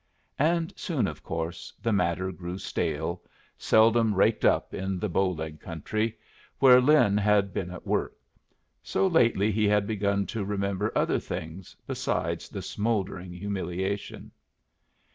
And soon, of course, the matter grew stale, seldom raked up in the Bow Leg country where Lin had been at work; so lately he had begun to remember other things beside the smouldering humiliation.